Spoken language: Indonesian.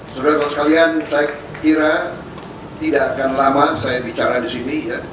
sebenarnya saya kira tidak akan lama saya bicara di sini